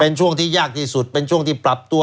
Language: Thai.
เป็นช่วงที่ยากที่สุดเป็นช่วงที่ปรับตัว